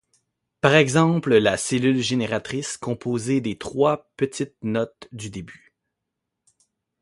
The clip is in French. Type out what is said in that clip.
Par exemple la cellule génératrice composée des trois petites notes du début.